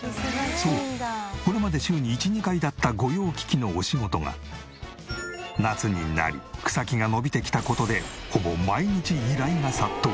そうこれまで週に１２回だった御用聞きのお仕事が夏になり草木が伸びてきた事でほぼ毎日依頼が殺到。